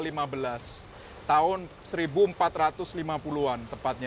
kepada tahun dua ribu lima belas tahun seribu empat ratus lima puluh an tepatnya